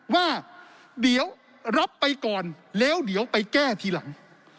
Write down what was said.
ว่าเดี๋ยวรับไปก่อนแล้วเดี๋ยวไปแก้ทีหลัง